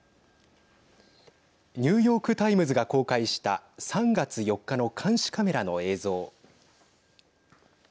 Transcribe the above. ニューヨーク・タイムズが公開した３月４日の監視カメラの映像。